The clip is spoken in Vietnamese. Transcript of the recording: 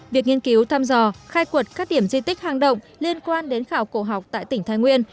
việc nghiên cứu thăm dò khai quật các điểm di tích hang động liên quan đến khảo cổ học tại tỉnh thái nguyên